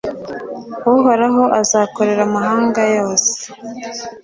Uhoraho azakorera amahanga yose